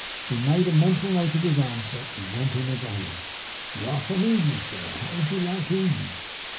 He made a mental note of his answer, and went in again. 'You are from Eden, sir? How did you like Eden?